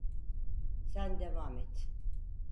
Sen devam et.